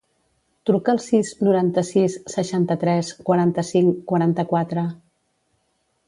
Truca al sis, noranta-sis, seixanta-tres, quaranta-cinc, quaranta-quatre.